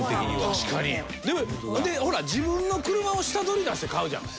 でほら自分の車を下取りに出して買うじゃん。